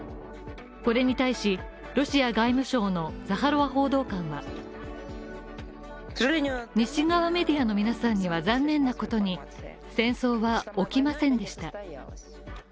これに対し、ロシア外務省のザハロワ報道官は西側メディアの皆さんには残念なことに戦争は起きませんでした。